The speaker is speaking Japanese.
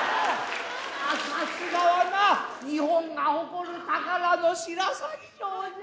さすがはな日本が誇る宝の白鷺城じゃ。